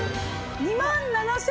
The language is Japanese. ２万７８００円。